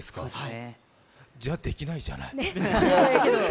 じゃ、できないじゃない。